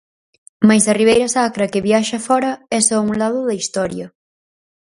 Mais a Ribeira Sacra que viaxa fóra é só un lado da historia.